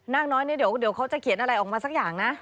กน้อยเนี่ยเดี๋ยวเขาจะเขียนอะไรออกมาสักอย่างนะ